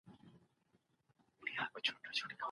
ادبي موضوعات په ټولنه کې شعور رامنځته کوي.